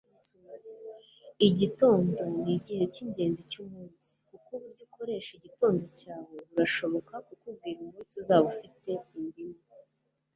igitondo ni igihe cyingenzi cyumunsi, kuko uburyo ukoresha igitondo cyawe burashobora kukubwira umunsi uzaba ufite. - indimu